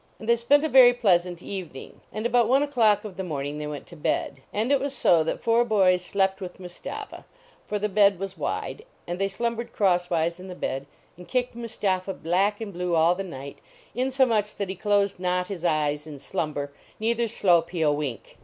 And they spent a very pleasant evening. And about one o clock of the morning they went to bed. And it was so that four boys slept with Mustapha, for the bed was wide. And they slumbered crosswise in the bed, and kicked Mustapha black and blue all the night, inso much that he closed not his eyes in slumber, neither slope he a wink.